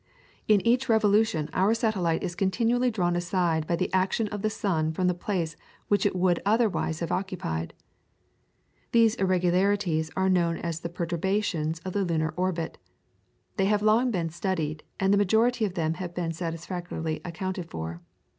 In each revolution our satellite is continually drawn aside by the action of the sun from the place which it would otherwise have occupied. These irregularities are known as the perturbations of the lunar orbit, they have long been studied, and the majority of them have been satisfactorily accounted for.